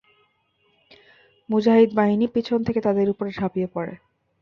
মুজাহিদ বাহিনী পিছন দিক থেকে তাদের উপর ঝাঁপিয়ে পড়ে।